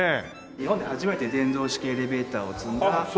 日本で初めて電動式エレベーターを積んだ。